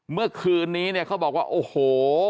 เมื่อคืนนี้เนี่ยเขาบอกว่าโอ้โห